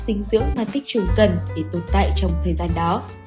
tinh dưỡng mà tinh trùng cần để tồn tại trong thời gian đó